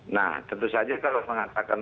nah tentu saja kalau mengatakan